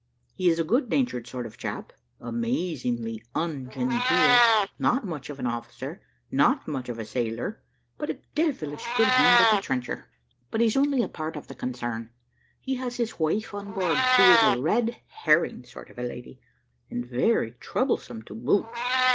He is a good natured sort of a chap, amazingly ungenteel, not much of an officer, not much of a sailor, but a devilish good hand at the trencher. But he's only a part of the concern; he has his wife on board, who is a red herring sort of a lady, and very troublesome to boot.